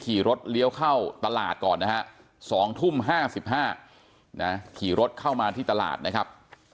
ขี่รถเลี้ยวเข้าตลาดก่อนนะฮะ๒ทุ่ม๕๕นะขี่รถเข้ามาที่ตลาดนะครับ